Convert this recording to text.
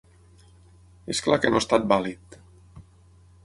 És clar que no ha estat vàlid.